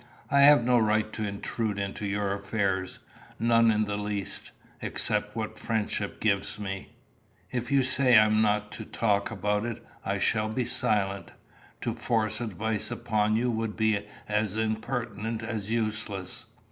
I have no right to intrude into your affairs none in the least except what friendship gives me. If you say I am not to talk about it, I shall be silent. To force advice upon you would be as impertinent as useless."